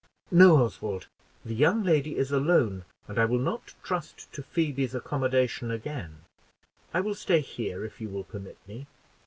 "No, Oswald, the young lady is alone, and I will not trust to Phoebe's accommodation again; I will stay here, if you will permit me."